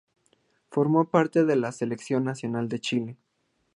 Formó parte de la selección nacional de Chile.